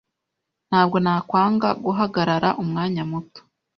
Ntabwo nakwanga guhagarara umwanya muto.